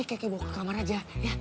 ini keke bawa ke kamar aja